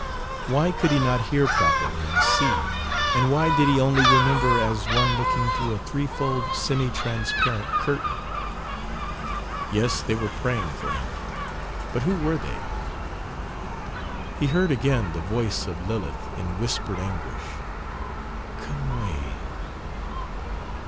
Why could he not hear properly and see, and why did he only remember as one looking through a threefold semi transparent curtain. Yes they were praying for him but who were they? He heard again the voice of Lilith in whispered anguish, "Come away!"